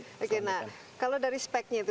oke nah kalau dari speknya itu